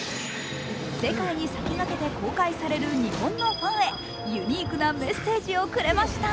世界に先駆けて公開される日本のファンへユニークなメッセージをくれました。